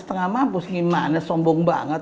setengah mabus gimana sombong banget